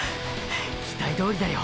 期待どおりだよ